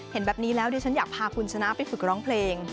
เห็นแบบนี้แล้วดิฉันอยากพาคุณชนะไปฝึกร้องเพลง